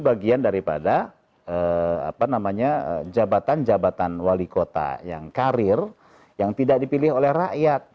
bagian daripada jabatan jabatan wali kota yang karir yang tidak dipilih oleh rakyat